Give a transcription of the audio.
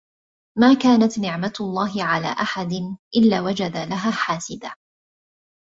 مَا كَانَتْ نِعْمَةُ اللَّهِ عَلَى أَحَدٍ إلَّا وَجَدَ لَهَا حَاسِدًا